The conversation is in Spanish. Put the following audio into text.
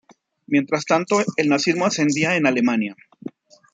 Mientras tanto el nazismo ascendía en Alemania.